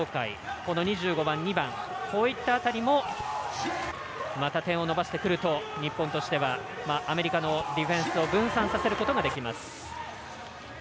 この２５番、２番こういった辺りもまた点を伸ばしてくると日本としてはアメリカのディフェンスを分散させることができます。